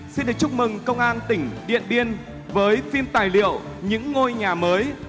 xin được chúc mừng công an tỉnh điện biên với phim tài liệu những ngôi nhà mới